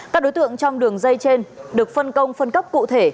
các đối tượng trong đường dây trên được phân công phân cấp cụ thể